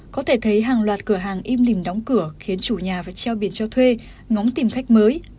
có thể thấy hàng loạt cửa hàng im lìm đóng cửa khiến chủ nhà phải treo biển cho thuê ngóng tìm khách mới